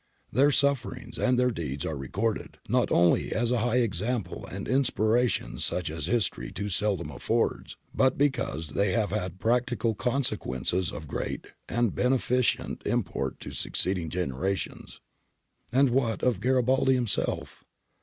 Their sufferings and their deeds are recorded, not only as a high example and inspiration such as history too seldom affords, but because they have had practical consequences of great and beneficent import to succeeding generations.^ And what of Garibaldi himself?